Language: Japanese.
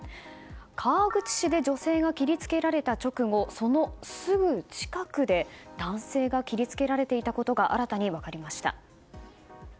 川口市で女性が切りつけられた直後そのすぐ近くで男性が切り付けられていたことが新たに分かりました。